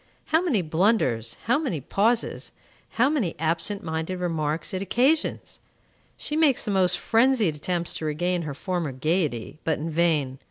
How many blunders, how many pauses, how many absent minded remarks it occasions! She makes the most frenzied attempts to regain her former gayety, but in vain.